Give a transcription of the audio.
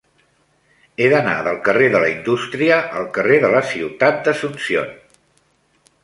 He d'anar del carrer de la Indústria al carrer de la Ciutat d'Asunción.